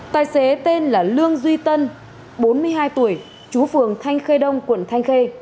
tài xế tên là lương duy tân bốn mươi hai tuổi chú phường thanh khê đông quận thanh khê